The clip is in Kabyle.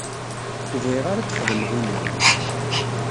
Ur bɣiɣ ara ad d-xedmeɣ inaw.